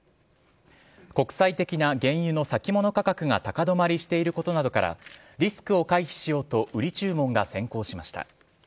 国際的な原油の先物価格が高止まりしていることなどからリスクを回避しようと売り注文が先行しました。